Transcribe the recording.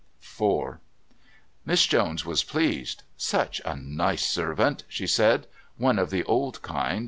IV Miss Jones was pleased. "Such a nice servant," she said. "One of the old kind.